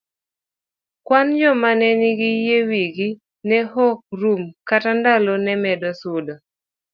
Kwan joma ne nigi yie wigi ne ok rum kata ndalo ne medo sudo.